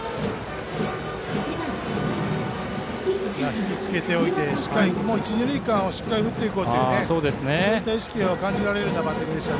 引き付けておいてしっかり打っていこうという意識が感じられるようなバッティングでした。